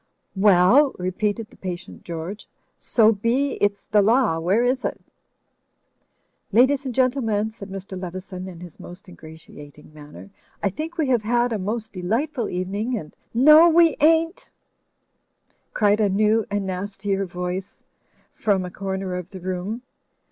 "Well?" repeated the patient George. So be it's the Law, where is it?" "Ladies and Gentlemen," said Mr. Leveson, in his most ingratiating manner, "I think we have had a most delightful evening, and —" "No, we ain't," cried a new and nastier voice from a comer of the room.